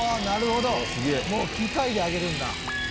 なるほどもう機械であげるんだ。